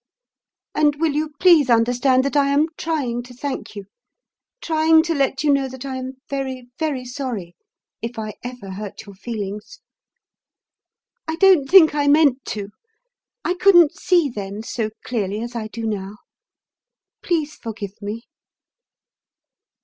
And will you please understand that I am trying to thank you, trying to let you know that I am very, very sorry if I ever hurt your feelings. I don't think I meant to. I couldn't see then so clearly as I do now. Please forgive me."